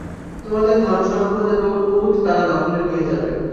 তোমাদের ধন-সম্পদ এবং উট তারা দেখলে নিয়ে যাবে।